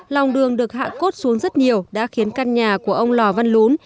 lòng đường được hạ cốt xuống rất nhiều đã khiến căn nhà của ông lò văn lún